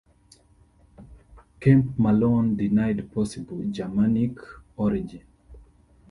Kemp Malone denied possible Germanic origin.